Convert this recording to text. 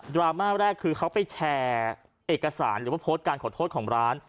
ราม่าแรกคือเขาไปแชร์เอกสารหรือว่าโพสต์การขอโทษของร้าน